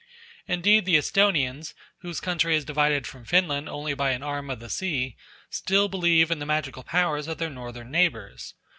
Indeed the Esthonians, whose country is divided from Finland only by an arm of the sea, still believe in the magical powers of their northern neighbours.